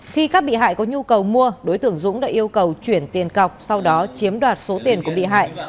khi các bị hại có nhu cầu mua đối tượng dũng đã yêu cầu chuyển tiền cọc sau đó chiếm đoạt số tiền của bị hại